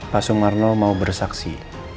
pak sumarno mau bersaksi